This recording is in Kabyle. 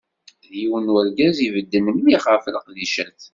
D yiwen n urgaz i ibedden mliḥ ɣef leqdicat.